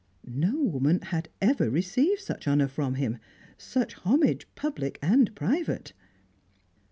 No woman had ever received such honour from him, such homage public and private.